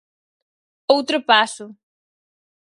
Outro paso.